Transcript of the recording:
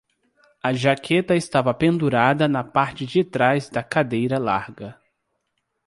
A jaqueta estava pendurada na parte de trás da cadeira larga.